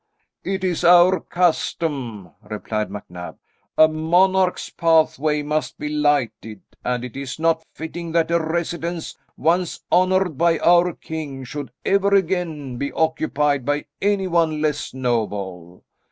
"It is our custom," replied MacNab. "A monarch's pathway must be lighted, and it is not fitting that a residence once honoured by our king should ever again be occupied by anyone less noble.